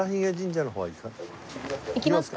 行きますか？